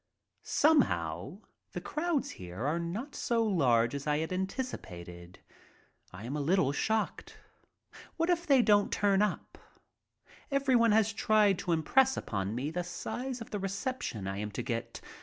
Somehow the crowds here are not so large as I had antici pated. I am a little shocked. What if they don't turn up? Everyone has tried to impress upon me the size of the recep tion I am to get.